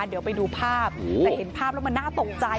เดี๋ยวไปดูภาพแต่เห็นภาพแล้วมันน่าตกใจ